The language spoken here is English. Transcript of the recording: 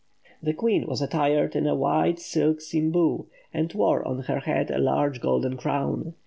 The Queen was attired in a wide silk simboo, and wore on her head a large golden crown.